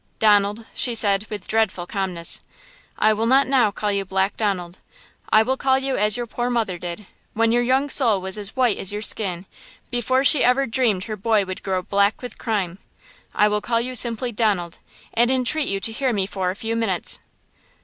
"Donald," she said, with dreadful calmness, "I will not now call you Black Donald! I will call you as your poor mother did, when your young soul was as white as your skin, before she ever dreamed her boy would grow black with crime! I will call you simply Donald, and entreat you to hear me for a few minutes."